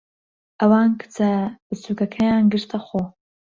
ئەوان کچە بچووکەکەیان گرتەخۆ.